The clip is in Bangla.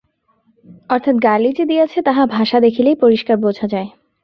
অর্থাৎ গালি যে দিয়াছে তাহা ভাষা দেখিলেই পরিষ্কার বুঝা যায়।